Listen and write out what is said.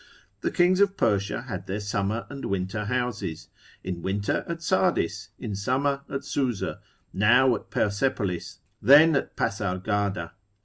The kings of Persia had their summer and winter houses; in winter at Sardis, in summer at Susa; now at Persepolis, then at Pasargada.